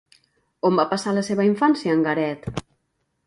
On va passar la seva infància, en Garet?